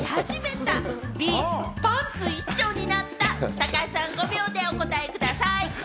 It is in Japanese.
高橋さん、５秒でお答えください。